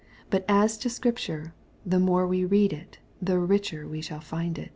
But as to Scripture, the more we read it, the richer we shall find it.